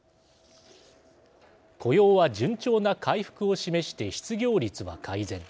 雇用は順調な回復を示して失業率は改善。